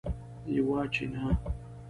یوه چینه